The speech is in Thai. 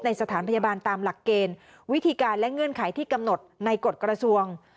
สถานพยาบาลตามหลักเกณฑ์วิธีการและเงื่อนไขที่กำหนดในกฎกระทรวง